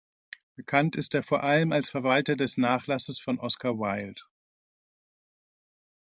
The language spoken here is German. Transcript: Bekannt ist er vor allem als Verwalter des Nachlasses von Oscar Wilde.